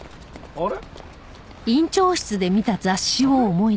あれ？